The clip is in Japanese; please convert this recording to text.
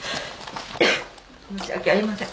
申し訳ありません。